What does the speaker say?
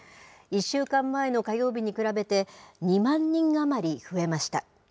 １週間前の火曜日に比べて、２万人余り増えました。